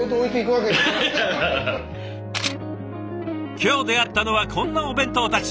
今日出会ったのはこんなお弁当たち。